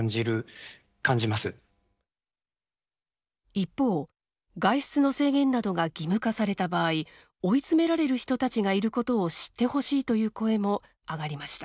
一方外出の制限などが義務化された場合追い詰められる人たちがいることを知ってほしいという声も上がりました。